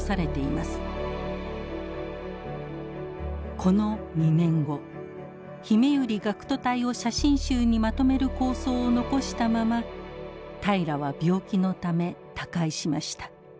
この２年後ひめゆり学徒隊を写真集にまとめる構想を残したまま平良は病気のため他界しました。